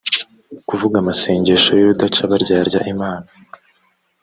kuvuga amasengesho y’urudaca baryarya imana